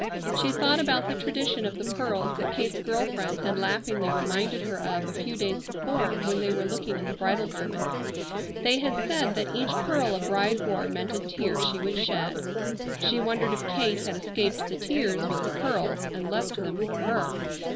She thought about the tradition of the pearls that Kate's girl friends had laughingly reminded her of a few days before when they were looking at the bridal garments. They had said that each pearl a bride wore meant a tear she would shed. She wondered if Kate had escaped the tears with the pearls, and left them for her.